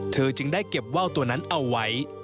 จึงได้เก็บว่าวตัวนั้นเอาไว้